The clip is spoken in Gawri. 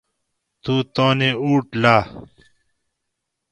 تو تانی اُوٹ لاں